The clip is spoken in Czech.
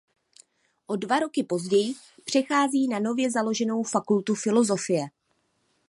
O dva roky později přechází na nově založenou fakultu filozofie.